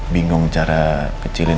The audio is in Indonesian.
bingung cara kecilin